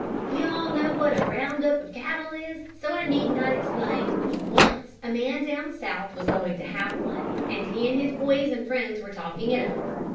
"You all know what a 'round up' of cattle is, so I need not explain. Once a man down south was going to have one, and he and his boys and friends were talking it over.